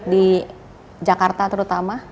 di jakarta terutama